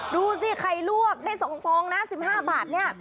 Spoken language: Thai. ดูสิไข่ลวกได้๒ฟองนะ๑๕บาทเนี่ย